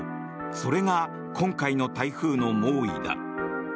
それが今回の台風の猛威だ。